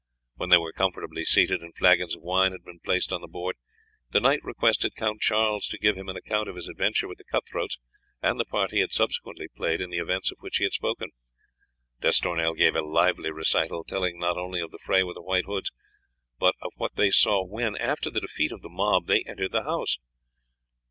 When they were comfortably seated and flagons of wine had been placed on the board, the knight requested Count Charles to give him an account of his adventure with the cut throats and the part he had subsequently played in the events of which he had spoken. D'Estournel gave a lively recital, telling not only of the fray with the White Hoods, but of what they saw when, after the defeat of the mob, they entered the house.